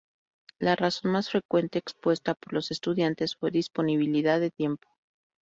La razón más frecuente expuesta por los estudiantes fue 'disponibilidad de tiempo'.